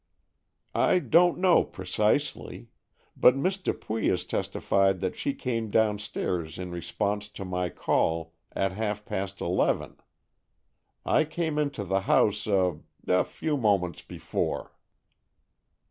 "I don't know precisely. But Miss Dupuy has testified that she came downstairs in response to my call at half past eleven. I came into the house a—a few moments before."